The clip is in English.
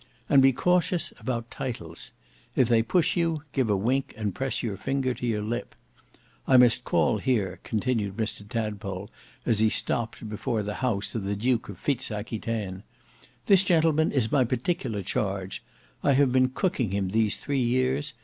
And be cautious about titles. If they push you, give a wink and press your finger to your lip. I must call here," continued Mr Tadpole as he stopped before the house of the Duke of Fitz Aquitaine. "This gentleman is my particular charge. I have been cooking him these three years.